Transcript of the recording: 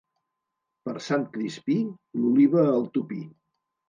Per Sant Crispí, l'oliva al tupí.